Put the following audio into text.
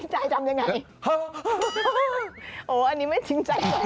โหอันนี้ไม่จริงใจจัง